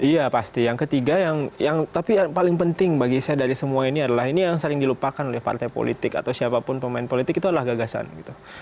iya pasti yang ketiga yang tapi paling penting bagi saya dari semua ini adalah ini yang sering dilupakan oleh partai politik atau siapapun pemain politik itu adalah gagasan gitu